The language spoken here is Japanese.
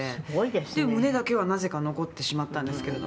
「で胸だけはなぜか残ってしまったんですけれども」